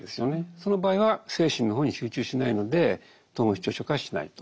その場合は精神の方に集中してないので統合失調症化はしないと。